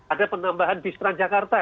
ada penambahan bistran jakarta